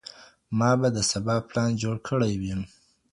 ما به د سبا پلان جوړ کړی وي.